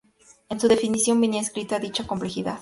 En su definición venía inscrita dicha complejidad